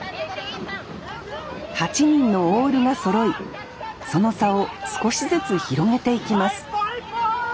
８人のオールがそろいその差を少しずつ広げていきます